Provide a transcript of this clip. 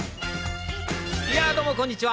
やあどうもこんにちは。